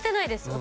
私